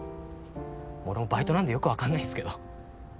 俺バイトなんでよくわかんないんすけど。